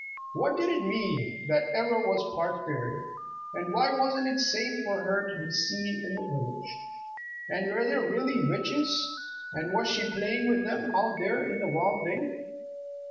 What did it mean, that Ivra was part fairy? And why wasn't it safe for her to be seen in the village? And were there really witches, and was she playing with them out there in the wild day?